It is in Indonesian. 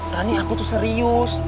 rani aku tuh serius